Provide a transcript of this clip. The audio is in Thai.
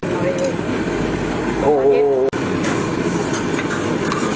นี่คือเส้นแล้ว